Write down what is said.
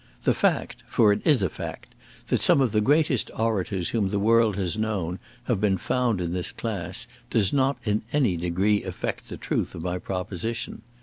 The fact, for it is a fact, that some of the greatest orators whom the world has known have been found in this class, does not in any degree affect the truth of my proposition.